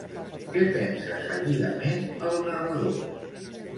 Què pensa seguidament el narrador?